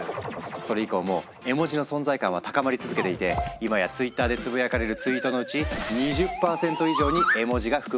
それ以降も絵文字の存在感は高まり続けていて今やツイッターでつぶやかれるツイートのうち２０％以上に絵文字が含まれているんだとか。